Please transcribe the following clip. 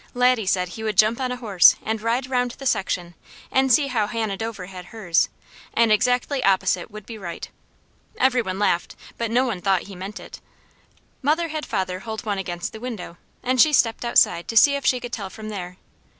Laddie said he would jump on a horse and ride round the section, and see how Hannah Dover had hers, and exactly opposite would be right. Everyone laughed, but no one thought he meant it. Mother had father hold one against the window, and she stepped outside to see if she could tell from there.